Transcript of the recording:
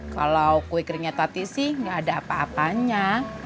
kalau kue keringnya tati sih nggak ada apa apanya